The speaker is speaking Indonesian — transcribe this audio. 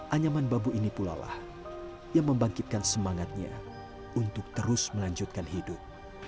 anyaman bambu ini pula lah yang membangkitkan semangatnya untuk terus melanjutkan hidup